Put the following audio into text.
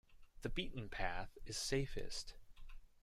The beaten path is safest.